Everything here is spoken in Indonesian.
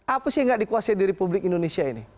apa sih yang gak dikuasai di republik indonesia ini